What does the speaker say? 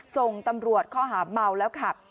ส่งตำรวจข้อหาเมาแล้วขับ